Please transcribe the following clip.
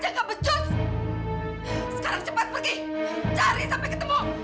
jangan pergi cari sampai ketemu